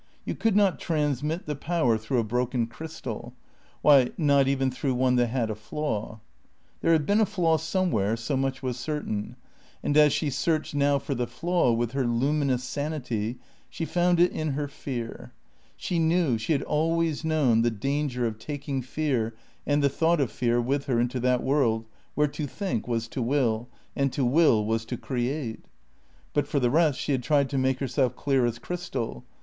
You could not transmit the Power through a broken crystal why, not even through one that had a flaw. There had been a flaw somewhere; so much was certain. And as she searched now for the flaw, with her luminous sanity, she found it in her fear. She knew, she had always known, the danger of taking fear and the thought of fear with her into that world where to think was to will, and to will was to create. But for the rest, she had tried to make herself clear as crystal.